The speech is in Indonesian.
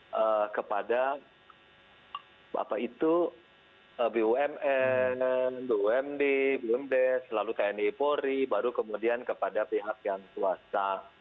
baru kemudian kepada bumn bumd bumd selalu tni pori baru kemudian kepada pihak yang swasta